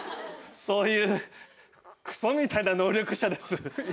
そういうくそみたいな能力者です。